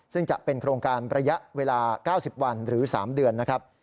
ซึ่งจะเป็นโครงการระยะเวลา๙๐วันหรือ๓เดือนนะครับ